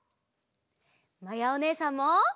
まやおねえさんも！